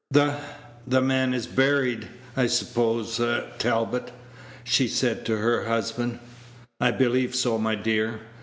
"The the man is buried, I suppose, Talbot?" she said to her husband. "I believe so, my dear."